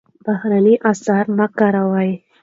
بهرني اسعار مه کاروئ.